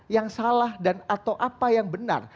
yang salah dan atau apa yang benar